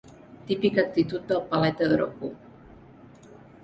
Típica actitud del paleta dropo.